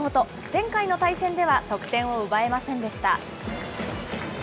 前回の対戦では、得点を奪えませんでした。